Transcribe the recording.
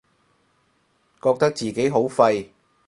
覺得自己好廢